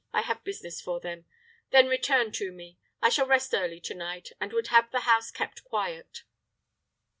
I have business for them. Then return to me. I shall rest early to night, and would have the house kept quiet."